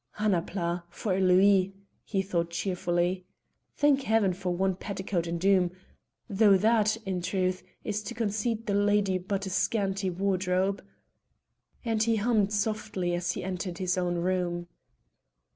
"Annapla, for a louis!" he thought cheerfully. "Thank heaven for one petticoat in Doom though that, in truth, is to concede the lady but a scanty wardrobe." And he hummed softly as he entered his own room.